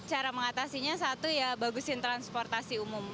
cara mengatasinya satu ya bagusin transportasi umum